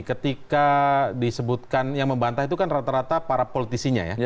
ketika disebutkan yang membantah itu kan rata rata para politisinya ya